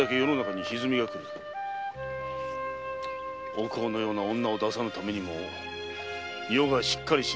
お甲のような女を出さぬためにも余がしっかりしなくてはな。